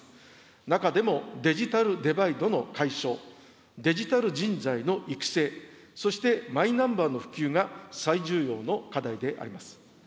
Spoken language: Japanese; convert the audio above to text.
中でもデジタルデバイドの解消、デジタル人材の育成、そしてマイナンバーの普及が最重要の課題であります。